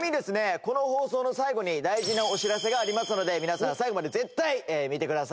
この放送の最後に大事なお知らせがありますので皆さん最後まで絶対見てください。